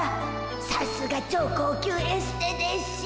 さすが超高級エステでしゅ。